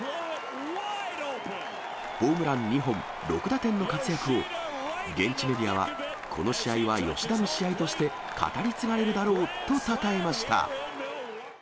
ホームラン２本、６打点の活躍を、現地メディアは、この試合は吉田の試合として語り継がれるだろうとたたえました。